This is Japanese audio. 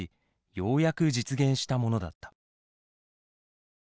ようやく実現したものだった。